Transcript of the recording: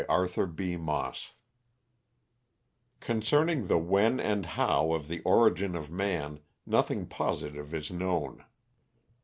NATURAL MAN Concerning the when and how of the origin of man nothing positive is known.